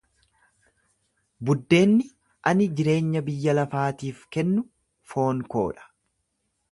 Buddeenni ani jireenya biyya lafaatiif kennu foon koo dha.